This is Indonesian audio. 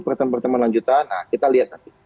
pertemuan pertemuan lanjutan nah kita lihat nanti